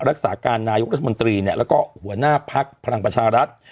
รักษาการนายกรัฐมนตรีแล้วก็หัวหน้าภักดิ์พลังประชารัฐ